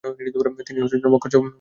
তিনি হজের জন্য মক্কা সফর করেন।